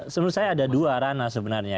sebenarnya ada dua ranah sebenarnya